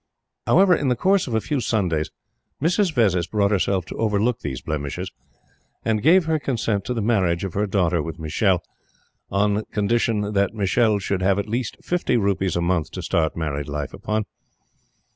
However, in the course of a few Sundays, Mrs. Vezzis brought herself to overlook these blemishes and gave her consent to the marriage of her daughter with Michele, on condition that Michele should have at least fifty rupees a month to start married life upon.